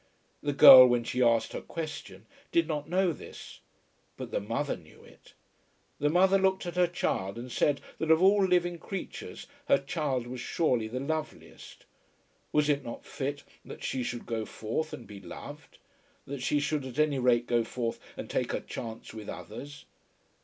The girl, when she asked her question, did not know this, but the mother knew it. The mother looked at her child and said that of all living creatures her child was surely the loveliest. Was it not fit that she should go forth and be loved; that she should at any rate go forth and take her chance with others?